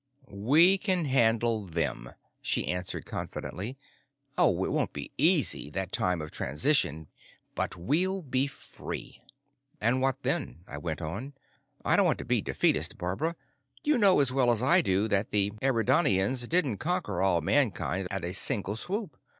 "We can handle them," she answered confidently. "Oh, it won't be easy, that time of transition. But we'll be free." "And what then?" I went on. "I don't want to be defeatist, Barbara, but you know as well as I do that the Eridanians didn't conquer all mankind at a single swoop.